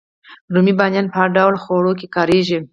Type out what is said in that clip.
رومی بانجان په هر ډول خوړو کې کاریږي